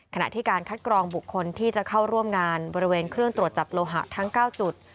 ขณะที่การคัดกรองบุคคลที่จะเข้าร่วมงานบริเวณเครื่องตรวจจับโลหะทั้ง๙จุด